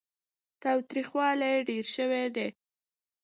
تاوتريخوالی ډېر شوی دی.